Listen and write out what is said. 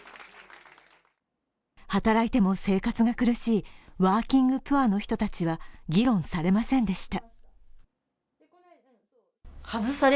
働いても生活が苦しいワーキングプアの人たちは議論されませんでした。